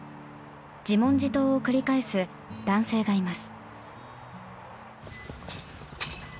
自問自答を繰り返す男性がいます。